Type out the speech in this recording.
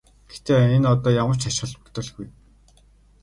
Гэвч энэ одоо ямар ч ач холбогдолгүй.